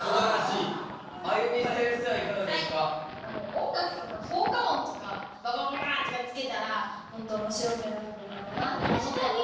音楽とか効果音とか「ババババッ」とかつけたらもっとおもしろくなるんじゃないかなって思ったのと。